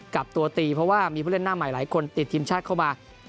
กับตัวตีเพราะว่ามีผู้เล่นหน้าใหม่หลายคนติดทีมชาติเข้ามา